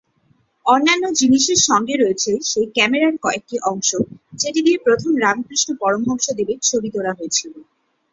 অন্যান্য জিনিসের সঙ্গে রয়েছে সেই ক্যামেরার কয়েকটি অংশ, যেটি দিয়ে প্রথম রামকৃষ্ণ পরমহংসের ছবি তোলা হয়েছিল।